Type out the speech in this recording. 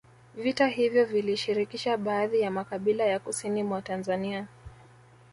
Vita hivyo vilishirikisha baadhi ya makabila ya kusini mwa Tanzania